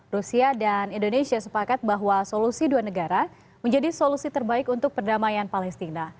rusia dan indonesia sepakat bahwa solusi dua negara menjadi solusi terbaik untuk perdamaian palestina